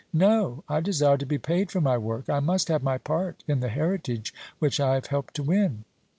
No; I desire to be paid for my work. I must have my part in the heritage which I have help to win."